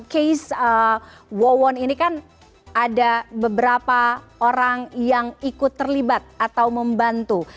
tapi kalau dalam case wawan ini kan ada beberapa orang yang ikut terlibat atau membantu